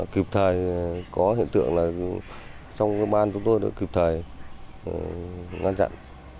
kịp thời có hiện tượng là trong ban chúng tôi đã kịp thời ngăn chặn